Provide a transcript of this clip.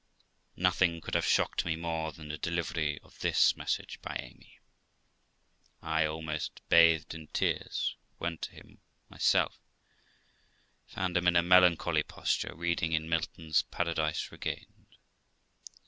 '" Nothing could have shocked me more than the delivery of this message by Amy. I, almost bathed in tears, went to him myself; found him in a melancholy posture reading in Milton's Paradise Regained.